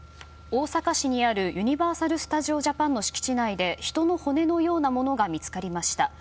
大阪市にあるユニバーサル・スタジオ・ジャパンの敷地内で人の骨のようなものが見つかりました。